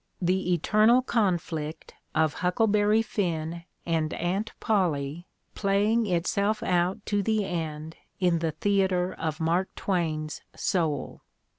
The eternal conflict of Huckleberry Finn and Aunt Polly playing itself out to the end in the theater of Mark Twain's soul!